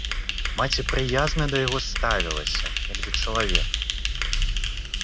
Маці прыязна да яго ставілася як да чалавека.